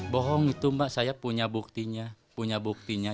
bohong itu mbak saya punya buktinya